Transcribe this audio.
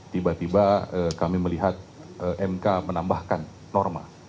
tiba tiba kami melihat mk menambahkan norma